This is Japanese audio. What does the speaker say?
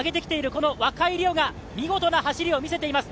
この若井莉央が見事な走りを見せています。